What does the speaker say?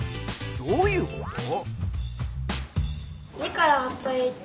どういうこと？